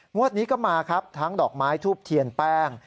งวดนี้ก็มาครับทั้งดอกไม้ทูบเทียนแป้ง